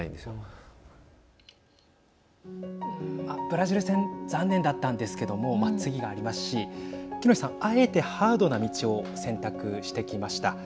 ブラジル戦残念だったんですけども次がありますし喜熨斗さんあえてハードな道を選択してきました。